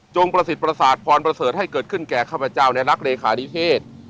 จงประศิพรศาสตร์พอลประเสริฐให้เกิดขึ้นแก่ข้าพเจ้านายรักเลขาที่เทศ